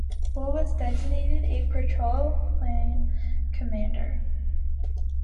Bull was designated a patrol plane commander.